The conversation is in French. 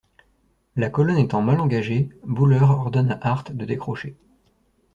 La colonne étant mal engagée, Buller ordonne à Hart de décrocher.